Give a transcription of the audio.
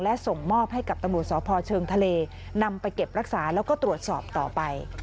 และส่งมอบให้กับตำรวจสพเชิงทะเลนำไปเก็บรักษาแล้วก็ตรวจสอบต่อไป